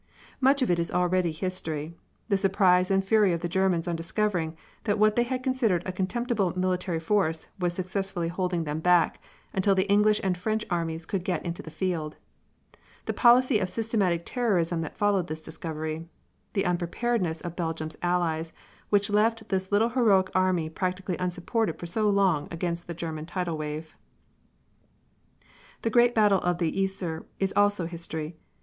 Much of it is already history. The surprise and fury of the Germans on discovering that what they had considered a contemptible military force was successfully holding them back until the English and French Armies could get into the field; the policy of systematic terrorism that followed this discovery; the unpreparedness of Belgium's allies, which left this heroic little army practically unsupported for so long against the German tidal wave. The great battle of the Yser is also history.